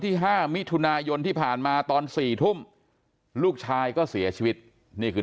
๕มิถุนายนที่ผ่านมาตอน๔ทุ่มลูกชายก็เสียชีวิตนี่คือ